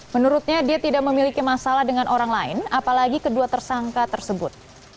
menurutnya dia tidak memiliki masalah dengan orang lain apalagi kedua tersangka tersebut